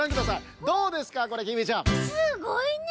すごいね。